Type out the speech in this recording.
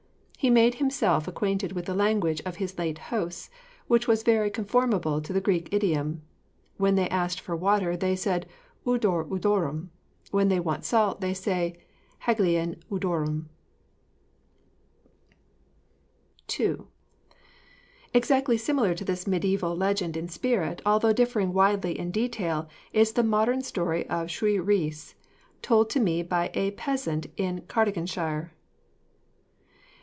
He had made himself acquainted with the language of his late hosts, 'which was very conformable to the Greek idiom. When they asked for water, they said Udor udorum; when they want salt, they say Halgein udorum.' FOOTNOTE: See Sir R. C. Hoare's Translation of Giraldus. II. Exactly similar to this medieval legend in spirit, although differing widely in detail, is the modern story of Shuï Rhys, told to me by a peasant in Cardiganshire.